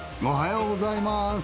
おはようございます。